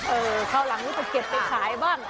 คราวหลังนี้ก็เก็บไปขายบ้าง